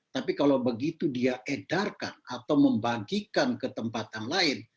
tapi kalau begitu dia edarkan atau membagikan ke tempat yang lain